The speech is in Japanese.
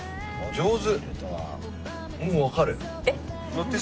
上手。